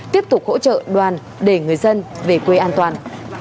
tiếp tục hỗ trợ đoàn để người dân về quê an toàn